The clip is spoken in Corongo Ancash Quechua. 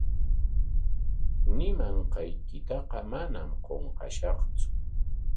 Ñimanqaykitaqa manam qunqashaqtsu.